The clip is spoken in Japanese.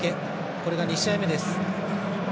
これが２試合目です。